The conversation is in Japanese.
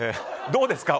どうですか？